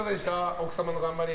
奥様の頑張り。